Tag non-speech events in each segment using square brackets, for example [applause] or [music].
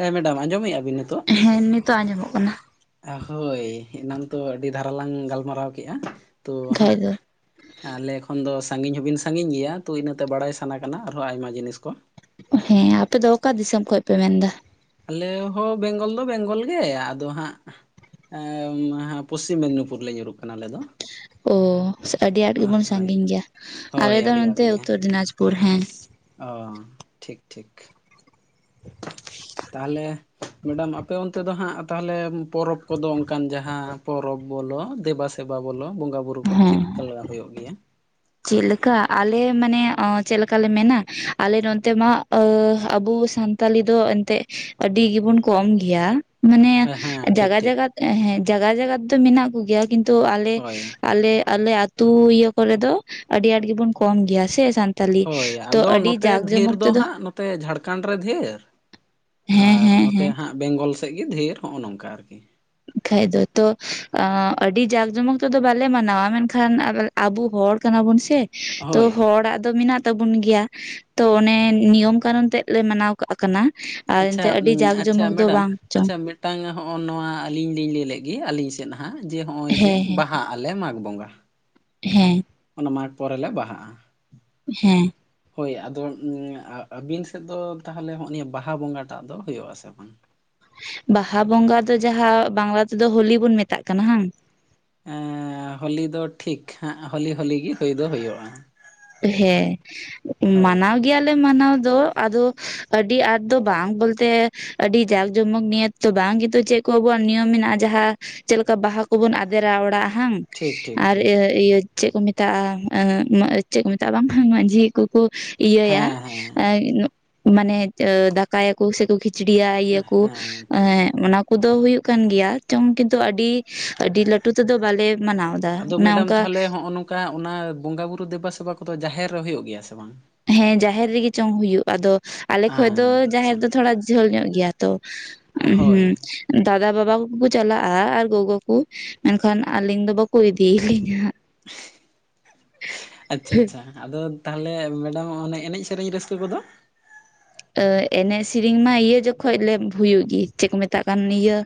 ᱦᱮᱸ ᱢᱮᱰᱟᱢ ᱟᱸᱡᱚᱢᱮᱭᱟᱜ ᱵᱤᱱ ᱱᱤᱛᱚᱜ? ᱦᱮᱸ ᱱᱤᱛᱚᱜ ᱟᱸᱡᱚᱢᱚᱜ ᱠᱟᱱᱟ᱾ ᱦᱳᱭ ᱮᱱᱟᱝ ᱛᱚ ᱟᱹᱰᱤ ᱫᱷᱟᱨᱟ ᱞᱟᱝ ᱜᱟᱞᱢᱟᱨᱟᱣ ᱠᱮᱜᱼᱟ ᱛᱳ ᱠᱷᱟᱡ ᱦᱟᱸᱜ ᱫᱚ ᱟᱞᱮ ᱠᱷᱚᱱ ᱫᱚ ᱥᱟᱺᱜᱤᱧ ᱦᱚᱸᱵᱤᱱ ᱥᱟᱺᱜᱤᱧ ᱜᱮᱭᱟ ᱛᱚ ᱤᱱᱟᱹᱛᱮ ᱵᱟᱲᱟᱭ ᱥᱟᱱᱟ ᱠᱟᱱᱟ ᱟᱨᱦᱚᱸ ᱟᱭᱢᱟ ᱡᱤᱱᱤᱥ ᱠᱚ᱾ ᱦᱮᱸ ᱟᱯᱮ ᱫᱚ ᱚᱠᱟ ᱫᱤᱥᱚᱢ ᱠᱷᱚᱡ ᱯᱮ ᱢᱮᱱᱫᱟ? ᱟᱞᱮ ᱦᱚᱸ ᱵᱮᱝᱜᱚᱞ ᱫᱚ ᱵᱮᱝᱜᱚᱞ ᱜᱮ ᱟᱫᱚ ᱦᱟᱸᱜ ᱮᱸᱢ ᱯᱚᱥᱪᱤᱢ ᱢᱮᱫᱽᱱᱤᱯᱩᱨ ᱞᱮ ᱧᱩᱨᱩᱜ ᱠᱟᱱᱟ ᱟᱞᱮ ᱫᱚ᱾ ᱚ ᱟᱹᱰᱤ ᱟᱸᱴ ᱜᱮᱵᱚᱱ ᱦᱳᱭ ᱥᱟᱺᱜᱤᱧ ᱜᱮᱭᱟ, ᱟᱞᱮ ᱦᱳᱭ ᱫᱚ ᱟᱹᱰᱤ ᱟᱸᱴ ᱱᱚᱛᱮ ᱜᱮ ᱩᱛᱚᱨ ᱫᱤᱱᱟᱡᱯᱩᱨ ᱦᱮᱸ᱾ ᱚ ᱴᱷᱤᱠ ᱴᱷᱤᱠ᱾ ᱛᱟᱦᱚᱞᱮ ᱢᱮᱰᱟᱢ ᱟᱯᱮ ᱚᱱᱛᱮ ᱫᱚ ᱦᱟᱸᱜ ᱛᱟᱦᱚᱞᱮ ᱯᱚᱨᱚᱵᱽ ᱠᱚᱫᱚ ᱚᱱᱠᱟᱱ ᱡᱟᱦᱟᱸ ᱯᱚᱨᱚᱵᱽ ᱵᱚᱞᱚ ᱫᱮᱵᱟ ᱥᱮ ᱥᱮᱵᱟ ᱵᱚᱞᱚ ᱵᱚᱸᱜᱟ ᱵᱩᱨᱩ ᱠᱚ ᱦᱮᱸ ᱪᱮᱫ ᱞᱮᱠᱟ ᱦᱩᱭᱩᱜ ᱜᱮᱭᱟ? ᱪᱮᱫ ᱞᱮᱠᱟ ᱟᱞᱮ ᱢᱟᱱᱮ ᱚᱸ ᱪᱮᱫᱠᱟ ᱞᱮ ᱢᱮᱱᱟ ᱟᱞᱮ ᱱᱚᱛᱮ ᱢᱟ ᱚᱹ ᱟᱵᱚ ᱥᱟᱱ ᱥᱟᱱᱛᱟᱞᱤ ᱫᱚ ᱮᱱᱛᱮᱜ ᱟᱹᱰᱤ ᱜᱮ ᱵᱚᱱ ᱠᱚᱢ ᱜᱮᱭᱟ᱾ ᱢᱟᱱᱮ ᱦᱮᱸ ᱴᱷᱤᱠ ᱡᱟᱜᱟ ᱴᱷᱤᱠ ᱡᱟᱜᱟ ᱛᱮ ᱦᱮᱸ ᱡᱟᱜᱟ ᱡᱟᱜᱟ ᱛᱮ ᱫᱚ ᱢᱮᱱᱟᱜ ᱠᱚ ᱜᱮᱭᱟ ᱠᱤᱱᱛᱩ ᱛᱚ ᱟᱞᱮ ᱦᱳᱭ ᱟᱞᱮ ᱟᱞᱮ ᱟᱹᱛᱩ ᱤᱭᱟᱹ ᱠᱚᱨᱮ ᱫᱚ ᱟᱹᱰᱤ ᱟᱸᱴ ᱜᱮᱵᱚᱱ ᱠᱚᱢ ᱜᱮᱭᱟ ᱥᱮ ᱥᱟᱱ-ᱼ ᱦᱳᱭ ᱟᱫᱚ ᱱᱚᱛᱮ ᱫᱷᱮᱨ ᱫᱚ ᱦᱟᱸᱜ ᱱᱚᱛᱮ ᱡᱷᱟᱲᱠᱷᱚᱸᱰ ᱨᱮ ᱫᱷᱮᱨ᱾ ᱦᱮᱸ ᱟᱨ ᱦᱮᱸ ᱱᱚᱛᱮ ᱦᱮᱸ ᱦᱟᱸᱜ ᱵᱮᱝᱜᱚᱞ ᱥᱮᱫ ᱜᱮ ᱫᱷᱮᱨ ᱦᱚᱜᱼᱚᱸ ᱱᱚᱝᱠᱟ ᱟᱨᱠᱤ ᱠᱷᱟᱡ ᱫᱚ ᱛᱚ ᱟᱹᱰᱤ ᱡᱟᱸᱠ ᱡᱚᱢᱚᱠ ᱛᱮᱫᱚ ᱵᱟᱞᱮ ᱢᱟᱱᱟᱣᱟ ᱢᱮᱱᱠᱷᱟᱱ ᱟᱵᱟᱨ ᱟᱵᱩ ᱦᱚᱲ ᱠᱟᱱᱟ ᱵᱩᱱ ᱥᱮ ᱛᱚ ᱦᱳᱭ ᱦᱚᱲᱟᱜ ᱫᱚ ᱢᱮᱱᱟᱜ ᱛᱟᱵᱩᱱ ᱜᱮᱭᱟ, ᱛᱚ ᱚᱱᱮ ᱱᱤᱭᱚᱢ ᱠᱟᱱᱩᱱ ᱛᱮᱫ ᱞᱮ ᱢᱟᱱᱟᱣ ᱠᱟᱜ ᱠᱟᱱᱟ, ᱟᱨ ᱟᱪᱪᱷᱟ ᱮᱱᱛᱮᱜ ᱟᱹᱰᱤ ᱡᱟᱸᱠ ᱡᱚᱢᱚᱠ ᱫᱚ ᱵᱟᱝ ᱪᱚᱝ᱾ ᱢᱤᱫ ᱴᱟᱝ ᱦᱚᱜᱼᱚᱭ ᱱᱚᱣᱟ ᱞᱤᱧ ᱞᱟᱹᱭ ᱞᱮᱫ ᱜᱮ ᱟᱹᱞᱤᱧ ᱥᱮᱫ ᱦᱟᱸᱜᱼᱟᱭ ᱡᱮ ᱦᱚᱜᱼᱚᱭ ᱡᱮ ᱦᱮᱸ ᱵᱟᱦᱟᱜ ᱟᱞᱮ ᱢᱟᱜᱽ ᱵᱚᱸᱜᱟ, ᱦᱮᱸ, ᱚᱱᱟ ᱢᱟᱜᱷᱽ ᱯᱚᱨᱮ ᱞᱮ ᱵᱟᱦᱟᱜᱼᱟ᱾ ᱦᱮᱸ, ᱦᱳᱭ ᱟᱫᱚ ᱟᱹᱵᱤᱱ ᱥᱮᱫ ᱫᱚ ᱛᱟᱦᱚᱞᱮ ᱦᱚᱜᱼᱚᱭ ᱱᱤ ᱛᱟᱞᱟ ᱵᱚᱸᱜᱟ ᱴᱟᱜ ᱫᱚ ᱦᱳᱭᱳᱜ-ᱟ ᱥᱮ ᱵᱟᱝ? ᱵᱟᱦᱟ ᱵᱚᱸᱜᱟ ᱫᱚ ᱡᱟᱦᱟᱸ ᱵᱟᱝᱞᱟ ᱛᱮᱫᱚ ᱦᱳᱞᱤ ᱵᱚᱱ ᱢᱮᱛᱟᱜ ᱠᱟᱱᱟ ᱵᱟᱝ? ᱮᱸ ᱦᱳᱞᱤ ᱫᱚ ᱴᱷᱤᱠ ᱦᱟᱸᱜ ᱦᱳᱞᱤ ᱦᱳᱞᱤ ᱜᱮ ᱦᱩᱭ ᱫᱚ ᱦᱩᱭᱩᱜᱼᱟ᱾ ᱦᱮᱸ ᱦᱳᱭ ᱢᱟᱱᱟᱣ ᱜᱮᱭᱟᱞᱮ ᱢᱟᱱᱟᱣ ᱫᱚ ᱟᱫᱚ ᱟᱹᱰᱤ ᱟᱸᱴ ᱫᱚ ᱵᱟᱝ ᱵᱚᱞᱛᱮ ᱟᱹᱰᱤ ᱡᱟᱸᱠ ᱡᱚᱢᱚᱠ ᱱᱤᱭᱚ ᱵᱟᱝ ᱠᱤᱱᱛᱩ ᱪᱮᱫ ᱠᱚ ᱟᱵᱚᱣᱟᱜ ᱱᱤᱭᱚᱢ ᱢᱮᱱᱟᱜᱼᱟ ᱡᱟᱦᱟᱸ ᱪᱮᱫ ᱠᱟ ᱵᱟᱦᱟ ᱠᱚᱵᱩᱱ ᱟᱫᱮᱨᱟ ᱚᱲᱟᱜ ᱦᱟᱝ? ᱴᱷᱤᱠ ᱴᱷᱤᱠ ᱟᱨ ᱴᱷᱤᱠ ᱤᱭᱟᱹ ᱤᱭᱟᱹ ᱪᱮᱫ ᱠᱚ ᱢᱮᱛᱟᱜᱼᱟ ᱪᱮᱫ ᱠᱚ ᱢᱮᱛᱟᱜᱼᱟ ᱵᱟᱝ ᱢᱟᱹᱡᱷᱤ ᱠᱩ ᱤᱭᱟᱹᱭᱟ ᱦᱮᱸ ᱦᱮᱸ ᱢᱟᱱᱮ ᱫᱟᱠᱟᱭᱟ ᱠᱚ ᱥᱮ ᱠᱷᱤᱪᱤᱲᱤᱭᱟ ᱤᱭᱟᱹ ᱠᱚ ᱦᱮᱸ ᱮ ᱴᱷᱤᱠ ᱚᱱᱟ ᱠᱩ ᱫᱚ ᱦᱳᱭᱳ ᱠᱟᱱ ᱜᱮᱭᱟ ᱪᱚᱝ, ᱠᱤᱱᱛᱩ ᱟᱹᱰᱤ ᱟᱹᱰᱤ ᱞᱟᱹᱴᱩ ᱛᱮᱫᱚ ᱵᱟᱞᱮ ᱢᱟᱱᱟᱣ ᱚᱱᱮ ᱚᱱᱠᱟ, ᱚᱱᱠᱟ ᱚᱱᱟ ᱵᱚᱸᱜᱟ ᱵᱩᱨᱩ ᱫᱮᱵᱟ ᱥᱮᱵᱟ ᱠᱚᱫᱚ ᱡᱟᱦᱮᱨ ᱨᱮ ᱦᱩᱭᱩᱜ ᱜᱮᱭᱟ ᱥᱮ ᱵᱟᱝ? ᱦᱮᱸ ᱡᱟᱦᱮᱨ ᱨᱮᱜᱮ ᱪᱚᱝ ᱦᱩᱭᱩᱜ ᱟᱫᱚ ᱟᱞᱮ ᱠᱷᱚᱡ ᱫᱚ ᱟᱪᱪᱷᱟ ᱡᱟᱦᱮᱨ ᱫᱚ ᱛᱷᱚᱲᱟ ᱡᱷᱟᱹᱞ ᱧᱚᱜ ᱜᱮᱭᱟ ᱛᱚ ᱦᱳᱭ ᱦᱩᱸ ᱫᱟᱫᱟ ᱵᱟᱵᱟ ᱠᱚᱠᱚ ᱪᱟᱞᱟᱜᱼᱟ ᱟᱨ ᱜᱚᱜᱚ ᱠᱚ ᱢᱮᱱᱠᱷᱟᱱ ᱟᱹᱞᱤᱧ ᱫᱚ ᱵᱟᱠᱚ ᱤᱫᱤ ᱞᱤᱧᱟ, ᱟᱪᱪᱷᱟ, ᱟᱪᱪᱷᱟ, ᱟᱫᱚ ᱛᱟᱦᱚᱞᱮ ᱢᱮᱰᱟᱢ ᱚᱱᱮ ᱮᱱᱮᱡ ᱥᱮᱨᱮᱧ ᱨᱟᱹᱥᱠᱟᱹ ᱠᱚᱫᱚ? ᱮᱱᱮᱡ ᱥᱮᱨᱤᱧ ᱢᱟ ᱤᱭᱟᱹ ᱡᱚᱠᱷᱚᱱ ᱞᱮ ᱦᱩᱭᱩᱜ ᱜᱮ ᱪᱮᱫ ᱠᱚ ᱢᱮᱛᱟᱜ ᱠᱟᱱ ᱱᱤᱭᱟᱹ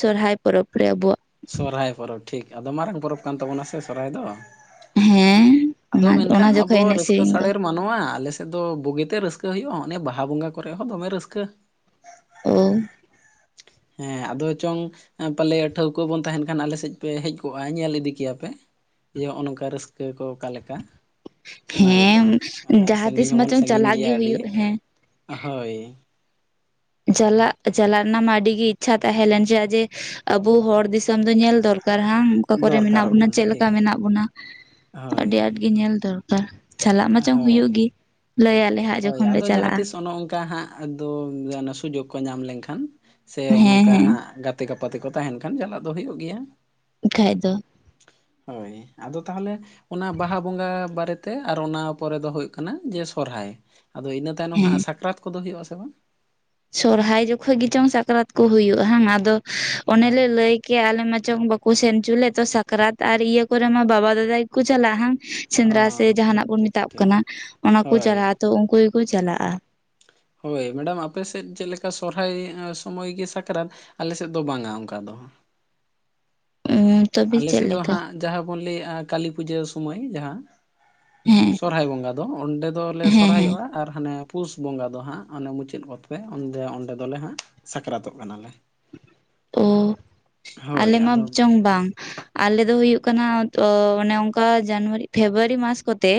ᱥᱚᱨᱦᱟᱭ ᱯᱚᱨᱚᱵ ᱨᱮ ᱟᱵᱚᱣᱟᱜ, ᱥᱚᱨᱚᱦᱟᱭ ᱯᱚᱨᱚᱵᱽ ᱴᱷᱤᱠ ᱟᱫᱚ ᱢᱟᱨᱟᱝ ᱯᱚᱨᱚᱵᱽ ᱠᱟᱱ ᱛᱟᱵᱚᱱᱟ ᱥᱮ ᱥᱚᱨᱦᱟᱭ ᱫᱚ᱾ ᱦᱮᱸ ᱟᱫᱚ ᱚᱱᱟ ᱚᱱᱟ ᱢᱮᱱᱠᱷᱟᱱ ᱟᱵᱚ ᱡᱚᱠᱷᱚᱡ ᱮᱱᱮᱡ ᱨᱟᱹᱥᱠᱟᱹ ᱥᱮᱨᱮᱧ ᱫᱚ ᱥᱟᱲᱮᱨ ᱢᱟᱱ ᱱᱚᱣᱟ ᱟᱞᱮᱥᱮᱫ ᱫᱚ ᱵᱩᱜᱤᱛᱮ ᱨᱟᱹᱥᱠᱟᱹ ᱦᱩᱭᱩᱜᱼᱟ ᱚᱱᱮ ᱵᱟᱦᱟ ᱵᱚᱸᱜᱟ ᱠᱚᱨᱮ ᱦᱚᱸ ᱫᱚᱢᱮ ᱨᱟᱹᱥᱠᱟᱹ᱾ ᱚ, ᱦᱮᱸ ᱟᱫᱚ ᱪᱚᱝ ᱯᱟᱞᱮ ᱴᱷᱟᱹᱣᱠᱟᱹ ᱵᱚᱱ ᱛᱟᱦᱮᱱ ᱠᱷᱟᱱ ᱟᱞᱮ ᱥᱮᱫ ᱯᱮ ᱦᱮᱡ ᱠᱚᱜᱼᱟ ᱧᱮᱞ ᱤᱫᱤ ᱠᱮᱭᱟᱯᱮ, ᱡᱮ ᱱᱚᱝᱠᱟ ᱨᱟᱹᱥᱠᱟᱹ ᱠᱚ ᱚᱠᱟᱞᱮᱠᱟ, ᱦᱮᱸ ᱡᱟᱦᱟᱸ ᱛᱤᱥ ᱦᱚᱸᱵᱚᱱ ᱢᱟᱪᱚᱝ ᱥᱟᱺᱜᱤᱧ ᱪᱟᱞᱟᱜ ᱜᱮᱭᱟ ᱜᱮ ᱟᱹᱰᱤ ᱦᱩᱭᱩᱜ ᱦᱮᱸ, ᱦᱳᱭ, ᱪᱟᱞᱟᱜ ᱪᱟᱞᱟᱜ ᱨᱮᱱᱟᱜ ᱢᱟ ᱟᱹᱰᱤ ᱜᱤ ᱤᱪᱪᱷᱟ ᱛᱟᱦᱮᱸᱞᱮᱱ ᱪᱮᱫᱟᱜ ᱡᱮ ᱟᱵᱚ ᱦᱚᱲ ᱫᱤᱥᱚᱢ ᱫᱚ ᱧᱮᱞ ᱫᱚᱨᱠᱟᱨ ᱦᱟᱝ᱾ ᱚᱠᱟ ᱠᱚᱨᱮ ᱢᱮᱱᱟᱜ ᱫᱚᱨᱠᱟᱨᱚᱜ ᱵᱚᱱᱟ ᱠᱟᱱᱟ ᱪᱮᱫ ᱴᱷᱤᱠ ᱞᱮᱠᱟ ᱢᱮᱱᱟᱜ ᱵᱚᱱᱟ ᱦᱳᱭ ᱟᱹᱰᱤ ᱟᱸᱴ ᱜᱮ ᱧᱮᱞ ᱫᱚᱨ ᱠᱟᱨ ᱪᱟᱞᱟᱜ ᱢᱟᱪᱚᱝ ᱦᱳᱭ ᱦᱩᱭᱩᱜ ᱜᱤ ᱞᱟᱹᱭᱟᱞᱮ ᱦᱟᱸᱜ ᱦᱳᱭ ᱡᱚᱠᱷᱚᱱ ᱞᱮ ᱟᱫᱚ ᱡᱟᱦᱟᱸ ᱪᱟᱞᱟᱜᱼᱟ᱾ ᱛᱤᱥ ᱚᱱᱮ ᱚᱱᱠᱟ ᱦᱟᱸᱜ ᱫᱚ ᱥᱩᱡᱳᱜᱽ ᱠᱚ ᱧᱟᱢ ᱞᱮᱱᱠᱷᱟᱱ ᱥᱮ ᱦᱮᱸ ᱚᱱᱠᱟ ᱦᱮᱸ ᱦᱟᱸᱜ ᱜᱟ ᱛᱮ ᱜᱟᱯᱟᱛᱮ ᱠᱚ ᱛᱟᱦᱮᱸᱱ ᱠᱷᱟᱱ ᱪᱟᱞᱟᱜ ᱫᱚ ᱦᱩᱭᱩᱜ ᱜᱮᱭᱟ, ᱵᱟᱠᱷᱟᱡ ᱫᱚ, ᱦᱳᱭ ᱟᱫᱚ ᱛᱟᱦᱚᱞᱮ ᱚᱱᱟ ᱵᱟᱦᱟ ᱵᱚᱸᱜᱟ ᱵᱟᱨᱮᱛᱮ ᱟᱨ ᱚᱱᱟ ᱯᱚᱨᱮ ᱫᱚ ᱦᱩᱭᱩᱜ ᱠᱟᱱᱟ ᱱᱤᱭᱟᱹ ᱥᱚᱨᱦᱟᱭ ᱟᱫᱚ ᱤᱱᱟᱹ ᱛᱟᱭᱱᱚᱢ ᱫᱚ ᱦᱮᱸ ᱦᱟᱸᱜ ᱥᱟᱠᱨᱟᱛ ᱠᱚᱫᱚ ᱦᱩᱭᱩᱜ ᱟᱥᱮ ᱵᱟᱝ? ᱥᱚᱨᱦᱟᱭ ᱡᱚᱠᱷᱚᱱ ᱜᱮᱪᱚᱝ ᱥᱟᱠᱨᱟᱛ ᱠᱚ ᱦᱩᱭᱩᱜ ᱵᱟᱝ ᱟᱫᱚ ᱚᱱᱮ ᱞᱮ ᱞᱟᱹᱭ ᱠᱮᱭᱟ ᱟᱞᱮ ᱢᱟ ᱪᱚᱝ ᱵᱟᱠᱚ ᱥᱮᱱ ᱦᱚᱪᱚ ᱞᱮ ᱛᱚ ᱥᱟᱠᱨᱟᱛ ᱟᱨ ᱤᱭᱟᱹ ᱠᱚᱨᱮ ᱢᱟ ᱵᱟᱵᱟ ᱫᱟᱫᱟ ᱜᱮᱠᱚ ᱪᱟᱞᱟᱜ ᱦᱟᱝ ᱚ ᱥᱮᱸᱫᱽᱨᱟ ᱥᱮ ᱴᱷᱤᱠ ᱡᱟᱦᱱᱟᱜ ᱵᱚᱱ ᱴᱷᱤᱠ ᱢᱮᱛᱟᱜ ᱴᱷᱤᱠ ᱠᱟᱱᱟ ᱚᱱᱟ ᱠᱚ ᱦᱳᱭ ᱪᱟᱞᱟᱜ-ᱟ ᱛᱚ ᱩᱱᱠᱩ ᱜᱮᱠᱚ ᱪᱟᱞᱟᱜ-ᱟ᱾ ᱦᱳᱭ ᱢᱮᱰᱟᱢ ᱟᱯ ᱥᱮᱫ ᱪᱮᱫ ᱞᱮᱠᱟ ᱥᱚᱨᱦᱟᱭ ᱥᱚᱢᱚᱭ ᱟ ᱥᱟᱠᱨᱟᱛ? ᱟᱞᱮ ᱥᱮᱫ ᱫᱚ ᱵᱟᱝᱟ ᱚᱱᱠᱟ ᱫᱚ ᱮ ᱟᱞᱮᱥᱮᱫ ᱫᱚ ᱦᱟᱸᱜ ᱡᱟᱦᱟᱸ ᱵᱚᱱ ᱞᱟᱹᱭᱮᱜ-ᱟ ᱠᱟᱹᱞᱤ ᱯᱩᱡᱟᱹ ᱥᱚᱢᱚᱭ ᱡᱟᱦᱟᱸ ᱦᱮᱸ ᱥᱚᱨᱦᱟᱭ ᱵᱚᱸᱜᱟ ᱫᱚ ᱚᱸᱰᱮ ᱫᱚᱞᱮ ᱦᱮᱸ ᱦᱮᱸ ᱥᱚᱨᱦᱟᱭᱚᱜ-ᱟ᱾ ᱟᱨ ᱦᱟᱱᱮ ᱯᱩᱥ ᱵᱚᱸᱜᱟ ᱫᱚ ᱦᱟᱸᱜ ᱚᱱᱮ ᱢᱩᱪᱟᱹᱫ ᱜᱚᱛ ᱨᱮ ᱚᱛᱮ ᱚᱸᱰᱮ ᱫᱚᱞᱮ ᱦᱟᱸᱜ ᱥᱟᱠᱨᱟᱛᱚᱜ ᱠᱟᱱᱟᱞᱮ ᱚ ᱦᱳᱭ ᱟᱞᱮ ᱢᱟ ᱟᱫᱚ ᱪᱚᱝ ᱵᱟᱝ ᱟᱞᱮ ᱫᱚ ᱦᱩᱭᱩᱜ ᱠᱟᱱᱟ ᱛᱚ ᱚᱱᱮ ᱚᱱᱠᱟ ᱡᱟᱱᱩᱣᱟᱨᱤ ᱯᱷᱮᱵᱽᱨᱩᱣᱟᱨᱤ ᱢᱟᱥ ᱠᱚᱛᱮ